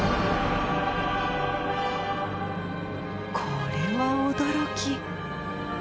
これは驚き！